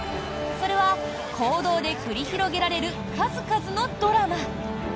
それは公道で繰り広げられる数々のドラマ。